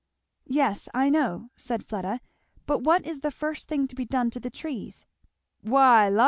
"Yes, I know," said Fleda, "but what is the first thing to be done to the trees?" "Why la!